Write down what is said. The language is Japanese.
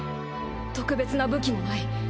特別な武器もない。